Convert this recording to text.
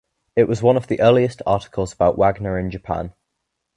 It was one of the earliest articles about Wagner in Japan.